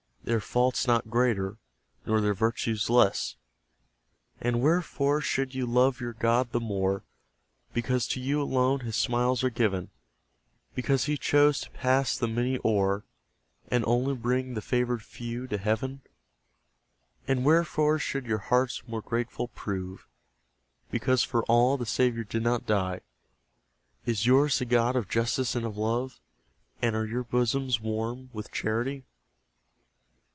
Their faults not greater, nor their virtues less? And wherefore should you love your God the more, Because to you alone his smiles are given; Because He chose to pass the MANY o'er, And only bring the favoured FEW to Heaven? And, wherefore should your hearts more grateful prove, Because for ALL the Saviour did not die? Is yours the God of justice and of love? And are your bosoms warm with charity?